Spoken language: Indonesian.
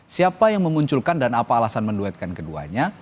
siapa yang memunculkan dan apa alasan menduetkan keduanya